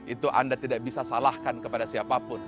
itu anda tidak bisa salahkan kepada siapapun